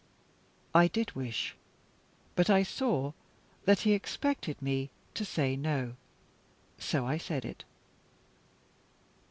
I did wish. But I saw that he expected me to say No so I said it.